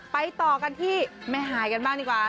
ไปต่อกันที่แม่หายกันบ้างดีกว่า